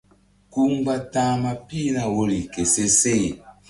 Ku mgba ta̧hma pihna woyri ke seseh.